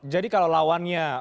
jadi kalau lawannya